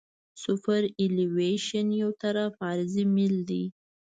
سوپرایلیویشن یو طرفه عرضي میل دی